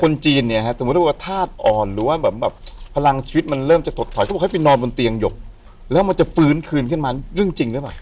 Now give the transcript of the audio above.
จีนเนี่ยฮะสมมุติว่าธาตุอ่อนหรือว่าแบบพลังชีวิตมันเริ่มจะถดถอยเขาบอกให้ไปนอนบนเตียงหยกแล้วมันจะฟื้นคืนขึ้นมาเรื่องจริงหรือเปล่า